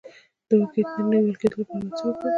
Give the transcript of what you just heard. د اوږې د نیول کیدو لپاره باید څه وکړم؟